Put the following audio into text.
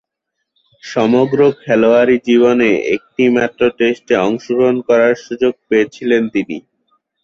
সমগ্র খেলোয়াড়ী জীবনে একটিমাত্র টেস্টে অংশগ্রহণ করার সুযোগ পেয়েছিলেন তিনি।